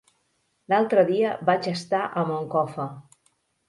L'altre dia vaig estar a Moncofa.